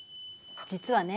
実はね